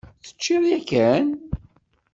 Teččiḍ yakan?